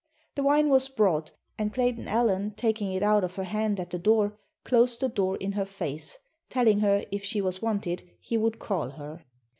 The wine was brought, and Clayton Allen taking it out of her hand at the door closed the door in her face, telling her if she was wanted he would call her.